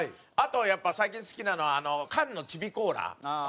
あとやっぱ最近好きなのは缶のチビコーラ。